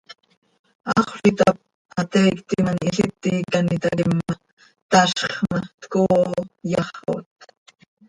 Haxöl itáp, hateiictim an ihiliti quih an itaquim ma, tazx ma, tcooo yaxot.